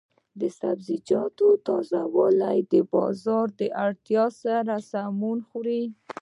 د سبزیجاتو تازه والي د بازار د اړتیا سره سمون خوري.